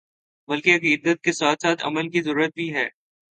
بلکہ عقیدت کے ساتھ ساتھ عمل کی ضرورت بھی ہے ۔